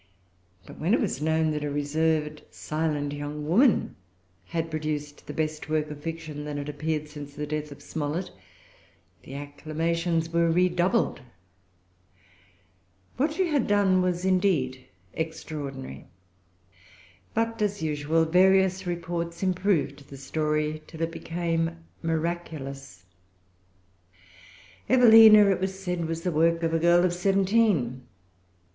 But when it was known that a reserved, silent young woman had produced the best work of fiction that had appeared since the death of Smollett, the acclamations were redoubled. What she had done was, indeed, extraordinary. But, as usual, various reports improved the story till it became miraculous. Evelina, it was said, was the work of a girl of seventeen.